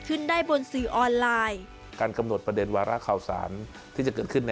ซื้อได้บนสื่อออนไลน์